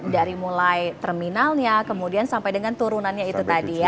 dari mulai terminalnya kemudian sampai dengan turunannya itu tadi ya